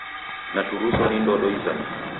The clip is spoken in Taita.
Naturuswa ni ndodo izamie.